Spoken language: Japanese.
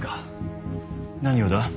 何をだ？